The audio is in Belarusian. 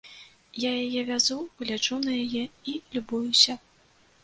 Я яе вязу, гляджу на яе і любуюся.